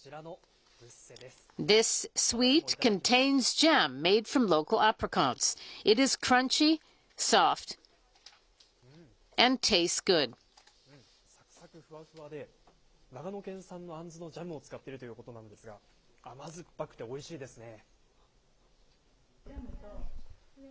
うん、さくさくふわふわで、長野県産のあんずのジャムを使ってるということなんですが、甘酸っぱくておいしいですね。